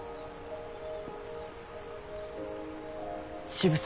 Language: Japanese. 渋沢。